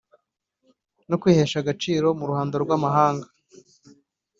no kwihesha agaciro mu ruhando rw’amahanga